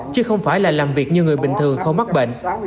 chứ không phải là làm việc như người bình thường không mắc bệnh